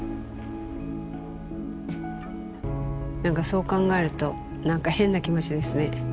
何かそう考えると何か変な気持ちですね。